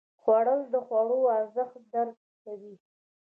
خوړل د خوړو ارزښت درک کوي